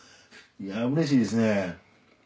いやうれしいですね。